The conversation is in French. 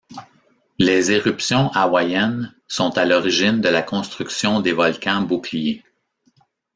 Les éruptions hawaiennes sont à l'origine de la construction des volcans boucliers.